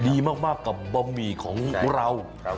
ดีมากกับบะหมี่ของเรา